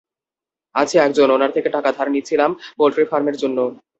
আছে একজন, ওনার থেকে টাকা ধার নিছিলাম, পোল্ট্রি ফার্মের জন্য।